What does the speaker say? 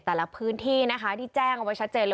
แต่ละพื้นที่นะคะที่แจ้งเอาไว้ชัดเจนเลย